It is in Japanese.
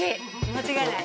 間違いない。